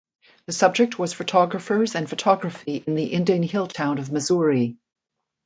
The subject was photographers and photography in the Indian hill town of Mussoorie.